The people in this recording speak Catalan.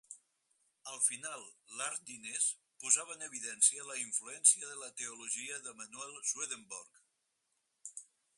Al final l'art d'Innes posava en evidència la influència de la teologia d'Emanuel Swedenborg.